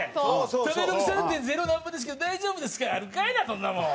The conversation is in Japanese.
「食べログ３．０なんぼですけど大丈夫ですか？」やあるかいなそんなもん！